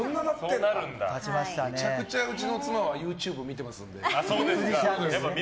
めちゃくちゃうちの妻はＹｏｕＴｕｂｅ見てますので。